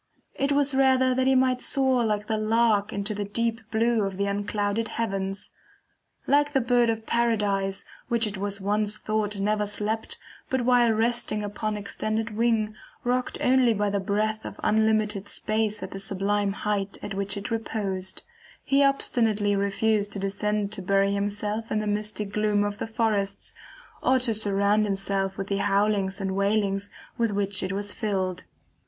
It was rather that he might soar like the lark into the deep blue of the unclouded heavens. Like the Bird of Paradise, which it was once thought never slept but while resting upon extended wing, rocked only by the breath of unlimited space at the sublime height at which it reposed; he obstinately refused to descend to bury himself in the misty gloom of the forests, or to surround himself with the howlings and wailings with which it is filled.